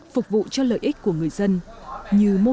phục vụ cho lợi ích của người dân